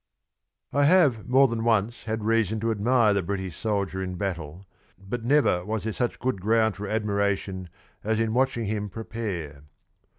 _ I have more than once had reason to admire the British soldier in battle, but never was there such good ground for admiration as in watching him prepare.